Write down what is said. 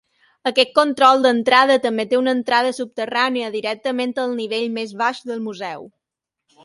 Aquest control d'entrada també té una entrada subterrània directament al nivell més baix del museu.